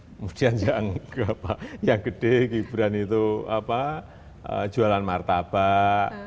kemudian yang gede gibran itu jualan martabak